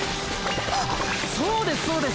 そうですそうです！